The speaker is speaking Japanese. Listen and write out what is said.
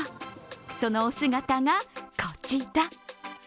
そのお姿が、こちら！